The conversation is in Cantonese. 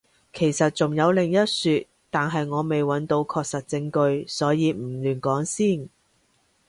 其實仲有另一說，但係我未揾到確實證據，所以唔亂講先